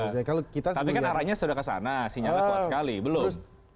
tapi kan arahnya sudah kesana sinyalnya kuat sekali belum